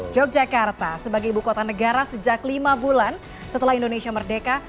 yogyakarta sebagai ibu kota negara sejak lima bulan setelah indonesia merdeka